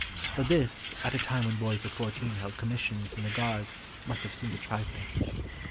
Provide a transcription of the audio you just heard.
But this, at a time when boys of fourteen held commissions in the Guards, must have seemed a trifle.